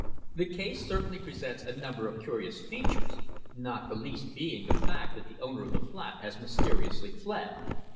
The case certainly presents a number of curious features, not the least being the fact that the owner of the flat has mysteriously fled.